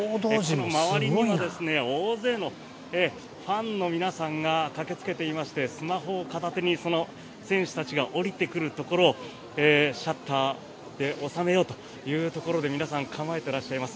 周りには大勢のファンの皆さんが駆けつけていましてスマホを片手にその選手たちが降りてくるところをシャッターで収めようというところで皆さん構えていらっしゃいます。